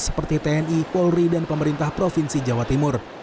seperti tni polri dan pemerintah provinsi jawa timur